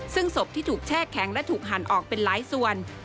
ซึ่งศพที่ถูกแช่แข็งและถูกหั่นออกเป็นหลายส่วน